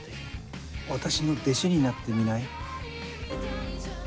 私の弟子になってみない？